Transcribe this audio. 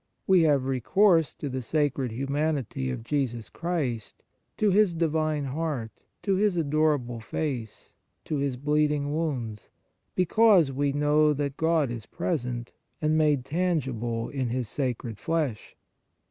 "We have recourse to the sacred humanity of Jesus Christ, to His Divine Heart, to His adorable Face, to His bleeding Wounds, because we know that God is present, and made tangible in His sacred Flesh.